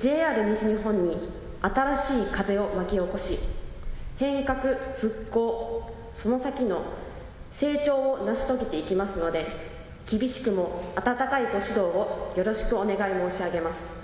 ＪＲ西日本に新しい風を巻き起こし変革、復興、その先の成長を成し遂げていきますので厳しくも温かいご指導をよろしくお願い申し上げます。